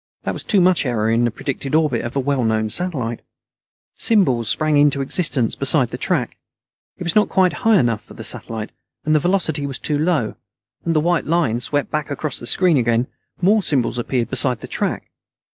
That was too much error in the predicted orbit of a well known satellite. Symbols sprang into existence beside the track. It was not quite high enough for the satellite, and the velocity was too low. As the white line swept across the screen again, more symbols appeared beside the track.